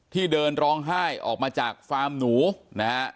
เดินร้องไห้ออกมาจากฟาร์มหนูนะฮะ